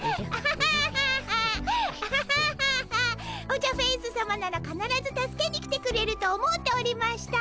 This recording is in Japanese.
オジャフェウスさまならかならず助けに来てくれると思うておりました。